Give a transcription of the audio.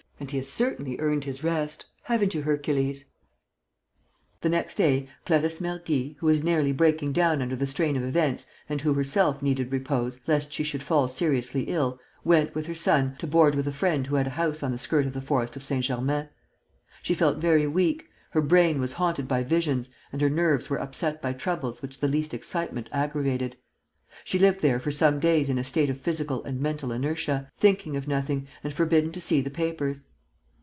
And he has certainly earned his rest, haven't you, Hercules?" The next day Clarisse Mergy, who was nearly breaking down under the strain of events and who herself needed repose, lest she should fall seriously ill, went, with her son, to board with a friend who had a house on the skirt of the Forest of Saint Germain. She felt very weak, her brain was haunted by visions and her nerves were upset by troubles which the least excitement aggravated. She lived there for some days in a state of physical and mental inertia, thinking of nothing and forbidden to see the papers.